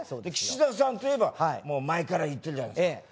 で岸田さんといえば前から言ってるじゃないですか。